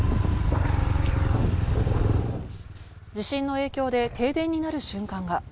地震の影響で停電になる瞬間が。